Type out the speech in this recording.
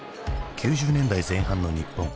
９０年代前半の日本。